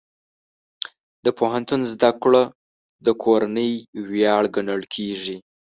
د پوهنتون زده کړه د کورنۍ ویاړ ګڼل کېږي.